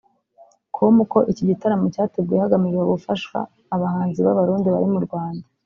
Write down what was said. com ko iki gitaramo cyateguwe hagamijwe gufasha abahanzi b’abarundi bari mu Rwanda